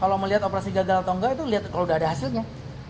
kalau melihat operasi gagal atau enggak itu lihat kalau udah ada hasilnya